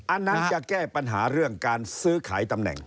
อันนั้นจะแก้ปัญหาเรื่องการซื้อขายตำแหน่ง